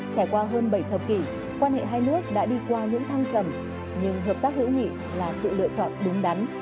trải qua hơn bảy thập kỷ quan hệ hai nước đã đi qua những thăng trầm nhưng hợp tác hữu nghị là sự lựa chọn đúng đắn